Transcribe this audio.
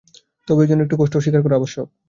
তবে এজন্য একটু কষ্ট স্বীকার করা আবশ্যক।